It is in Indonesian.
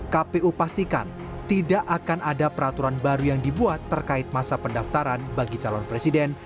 kpu pastikan tidak akan ada peraturan baru yang dibuat terkait masa pendaftaran bagi calon presiden